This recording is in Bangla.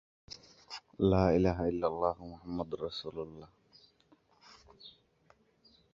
তিনজন বাঙালি মেয়ের বন্ধুত্ব এবং তাদের নিজস্ব জগতের মধ্যে এই চলচ্চিত্রের গল্প আবর্তিত হয়েছে।